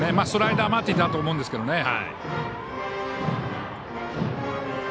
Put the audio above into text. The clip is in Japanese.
スライダー待っていたと思うんですけどね。